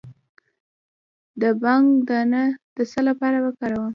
د بنګ دانه د څه لپاره وکاروم؟